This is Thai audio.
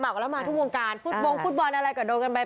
กันแล้วมาทุกวงการฟุตบงฟุตบอลอะไรก็โดนกันไป